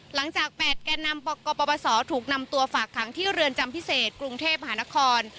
หลังจาก๘แก่นำกปศถูกนำตัวฝากขังที่เรือนจำพิเศษกรุงเทพมหานคร